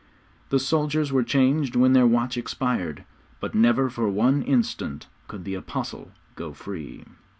The soldiers were changed when their watch expired, but never for one instant could the Apostle go free.